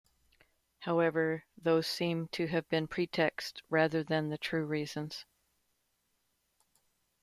However, those seem to have been pretexts rather than the true reasons.